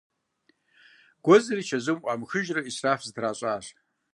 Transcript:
Гуэдзыр и чэзум ӏуамыхыжурэ ӏисраф зэтращӏащ.